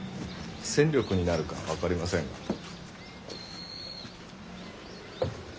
戦力になるか分かりませんが。